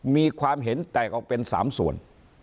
มีความเห็นแตกออกเป็น๓ส่วน